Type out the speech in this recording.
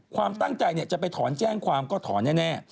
ความตั้งใจจะไปถอนแจ้งความก็ถอนแน่